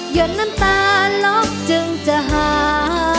ดน้ำตาลบจึงจะหา